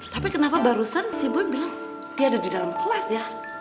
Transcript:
tapi kenapa barusan si boen bilang dia ada di dalam kelas ya